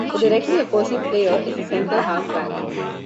The directly opposing player is a centre half-back.